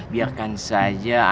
biarkan saja anak funky dan surya